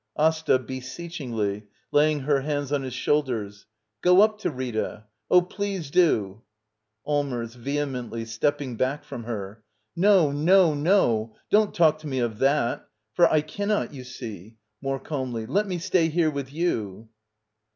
Asta. [Beseechingly, lasting her hands on his shoulders.] GojaitoJita,^ Allmers. [Vehemently, stepping back from her.] No, no, no — don't talk to me of that/ For I cannot, you see! [More calmly.] Let me stay here with you.